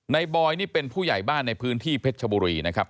บอยนี่เป็นผู้ใหญ่บ้านในพื้นที่เพชรชบุรีนะครับ